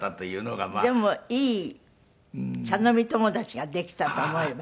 でもいい茶飲み友達ができたと思えば。